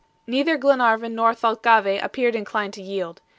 Neither Glenarvan nor Thalcave appeared inclined to yield.